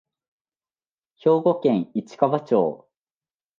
兵庫県市川町